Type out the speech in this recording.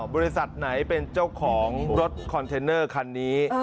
บริษัทไหนเป็นเจ้าของรถคอนเทนเนอร์คันนี้